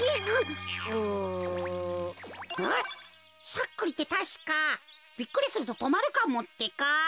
しゃっくりってたしかびっくりするととまるかもってか。